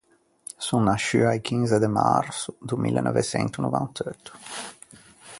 Son nasciua a-i chinze de marso do mille neuve çento novant’eutto.